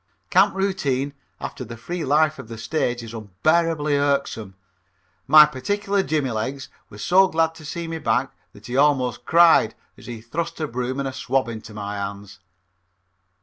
Camp routine after the free life of the stage is unbearably irksome. My particular jimmy legs was so glad to see me back that he almost cried as he thrust a broom and a swab into my hands.